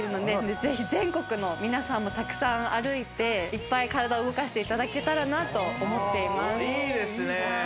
ぜひ全国の皆さんもたくさん歩いて、いっぱい体を動かしていただけたらと思っています。